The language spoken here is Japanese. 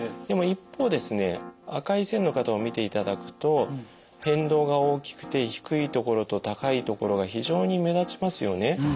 でも一方ですね赤い線の方を見ていただくと変動が大きくて低い所と高い所が非常に目立ちますよね。